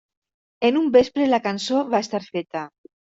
En un vespre la cançó va estar feta.